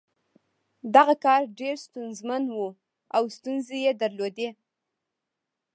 دغه کار ډېر ستونزمن و او ستونزې یې درلودې